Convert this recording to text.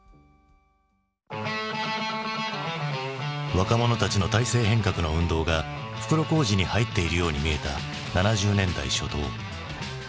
若者たちの体制変革の運動が袋小路に入っているように見えた７０年代初頭。